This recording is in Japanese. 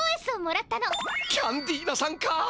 キャンディーナさんか！